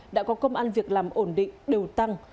đã có công an việc làm ổn định đều tăng